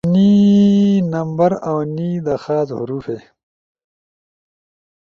نی نمبر اؤ نی دا خاص حروفے